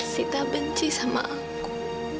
sita benci sama aku